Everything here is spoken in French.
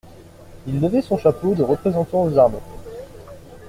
Il levait son chapeau de Représentant aux armées.